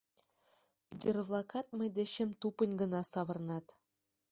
Ӱдыр-влакат мый дечем тупынь гына савырнат.